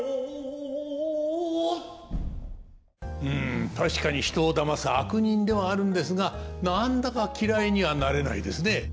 うん確かに人をだます悪人ではあるんですが何だか嫌いにはなれないですね。